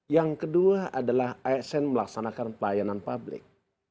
yang kedua adalah asn melaksanakan pelayanan publik